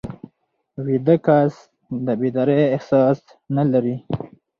ویده کس د بیدارۍ احساس نه لري